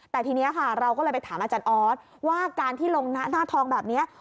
แต่ทีนี้ค่ะเราก็เลยไปถามอาจารย์ออสว่าการที่ลงหน้าทองแบบนี้